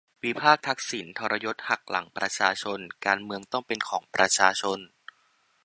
วิพากษ์ทักษิณ ทรยศหักหลังประชาชน การเมืองต้องเป็นของประชาชน